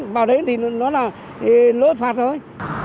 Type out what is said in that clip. vào đấy thì nó là lỗi phạt thôi